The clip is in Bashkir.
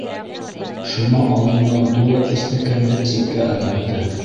Шома алдындағы тулы эстәкәнде ситкә ырғытты.